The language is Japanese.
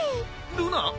ルナ？